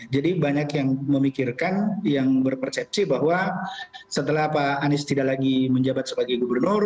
jadi banyak yang memikirkan yang berpersepsi bahwa setelah pak anies tidak lagi menjabat sebagai gubernur